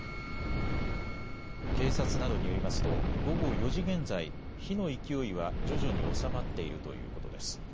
警察などによりますと、午後４時現在、火の勢いは徐々に収まっているということです。